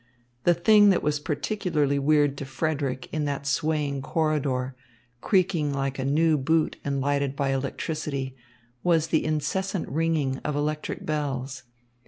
The thing that was particularly weird to Frederick in that swaying corridor, creaking like a new boot and lighted by electricity, was the incessant ringing of electric bells.